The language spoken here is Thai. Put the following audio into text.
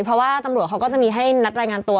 เพราะว่าตำรวจเขาก็จะมีให้นัดรายงานตัว